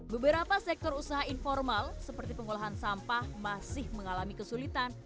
beberapa sektor usaha informal seperti pengolahan sampah masih mengalami kesulitan